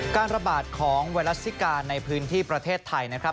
การระบาดของไวรัสซิกาในพื้นที่ประเทศไทยนะครับ